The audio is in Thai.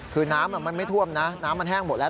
คือน้ำมันไม่ท่วมนะน้ำมันแห้งหมดแล้ว